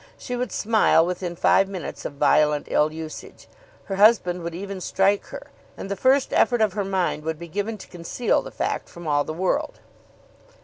She would smile within five minutes of violent ill usage. Her husband would even strike her, and the first effort of her mind would be given to conceal the fact from all the world.